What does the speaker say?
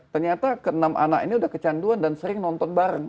ternyata ke enam anak ini sudah kecanduan dan sering nonton bareng